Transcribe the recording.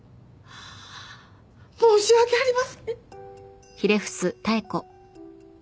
申し訳ありません。